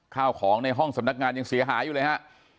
ข้าวของในห้องสำนักงานยังเสียหายอยู่เลยฮะ